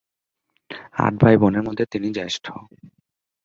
আট ভাই-বোনের মধ্যে তিনি জ্যেষ্ঠ।